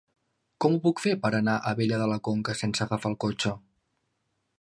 Com ho puc fer per anar a Abella de la Conca sense agafar el cotxe?